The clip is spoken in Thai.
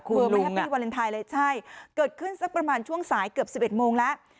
คือไม่แฮปปี้วาเลนไทยเลยใช่เกิดขึ้นสักประมาณช่วงสายเกือบ๑๑โมงแล้ว